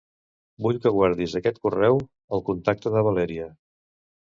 Vull que guardis aquest correu al contacte de Valèria.